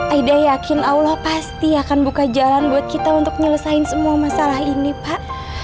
aida yakin allah pasti akan buka jalan buat kita untuk nyelesain semua masalah ini pak